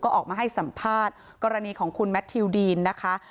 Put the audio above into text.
ออกมาให้สัมภาษณ์กรณีของคุณแมททิวดีนนะคะ